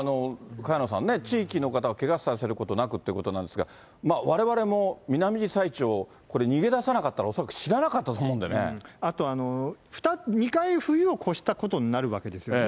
萱野さんね、地域の方をけがさせることなくっていうことなんですが、われわれもミナミジサイチョウ、これ、逃げ出さなかったあと、２回冬を越したことになるわけですよね。